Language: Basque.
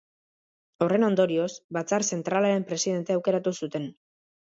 Horren ondorioz, Batzar Zentralaren presidente hautatu zuten.